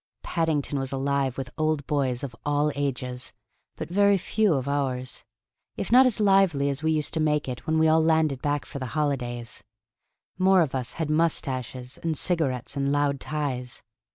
Paddington was alive with Old Boys of all ages but very few of ours if not as lively as we used to make it when we all landed back for the holidays. More of us had moustaches and cigarettes and "loud" ties.